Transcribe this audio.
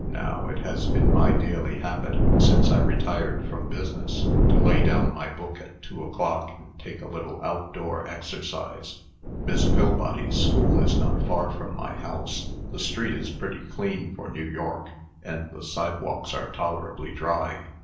Now, it has been my daily habit, since I retired from business, to lay down my book at two o'clock, and take a little out door exercise. Miss Pillbody's school is not far from my house; the street is pretty clean for New York, and the sidewalks are tolerably dry.